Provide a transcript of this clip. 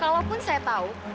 kalaupun saya tahu